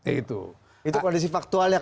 itu kondisi faktualnya